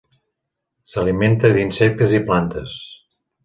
S'alimenta d'insectes i plantes.